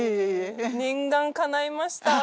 念願叶いました。